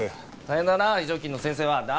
大変だな非常勤の先生は。